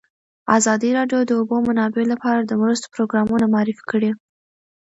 ازادي راډیو د د اوبو منابع لپاره د مرستو پروګرامونه معرفي کړي.